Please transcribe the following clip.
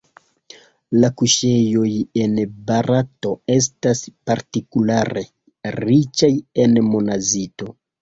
La kuŝejoj en Barato estas partikulare riĉaj en monazito.